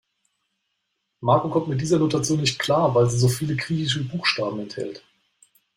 Marco kommt mit dieser Notation nicht klar, weil sie so viele griechische Buchstaben enthält.